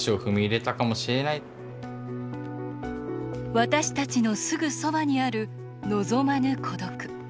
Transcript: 私たちのすぐそばにある望まぬ孤独。